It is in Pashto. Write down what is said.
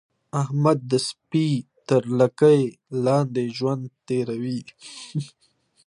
احمد د سپي تر لګۍ لاندې ژوند تېروي.